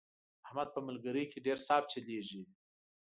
احمد په ملګرۍ کې ډېر صاف چلېږي.